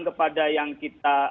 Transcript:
kepada yang kita